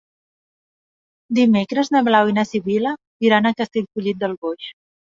Dimecres na Blau i na Sibil·la iran a Castellfollit del Boix.